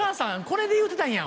これで言うてたんや」